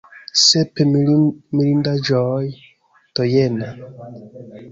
Sep mirindaĵoj de Jena.